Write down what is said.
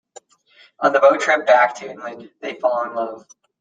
On the boat trip back to England, they fall in love.